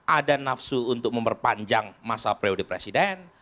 ada nafsu untuk memperpanjang masa prioritas presiden